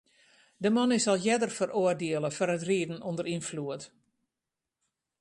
De man is al earder feroardiele foar it riden ûnder ynfloed.